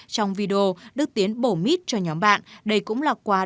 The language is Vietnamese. trong video đức tiến bổ mít cho nhóm bạn